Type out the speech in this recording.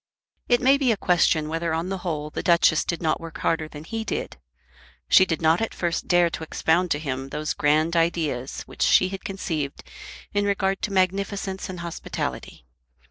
It may be a question whether on the whole the Duchess did not work harder than he did. She did not at first dare to expound to him those grand ideas which she had conceived in regard to magnificence and hospitality.